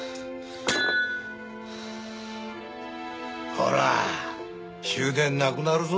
ほら終電なくなるぞ。